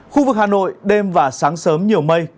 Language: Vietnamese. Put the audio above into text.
khu vực hà nội đêm và sáng sớm nhiều mây